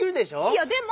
いやでも。